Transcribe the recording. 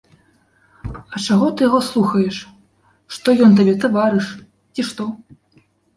А чаго ты яго слухаеш, што ён табе таварыш, ці што?